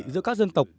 giữa các dân tộc